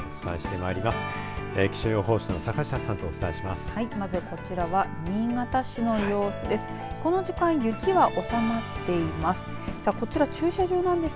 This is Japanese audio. まずこちらは新潟市の様子です。